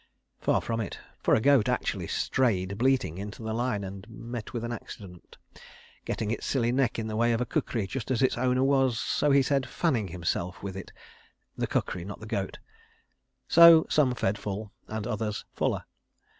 Far from it—for a goat actually strayed bleating into the line and met with an accident—getting its silly neck in the way of a kukri just as its owner was, so he said, fanning himself with it (with the kukri, not the goat). So some fed full, and others fuller.